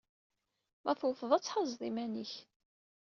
Ma tewwteḍ, ad tḥazeḍ iman-ik.